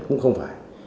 cũng không phải